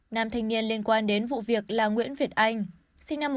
nam thanh niên liên quan đến vụ việc là nguyễn việt anh sinh năm một nghìn chín trăm tám mươi